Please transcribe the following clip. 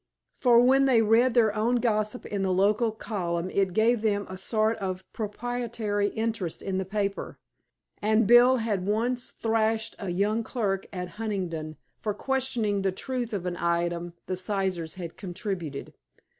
For when they read their own gossip in the local column it gave them a sort of proprietary interest in the paper, and Bill had once thrashed a young clerk at Huntingdon for questioning the truth of an item the Sizers had contributed.